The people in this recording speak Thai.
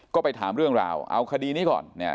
ก็ไปถามเรื่องราวเอาคดีนี้ก่อนเนี่ย